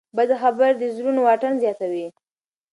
بدې خبرې د زړونو واټن زیاتوي.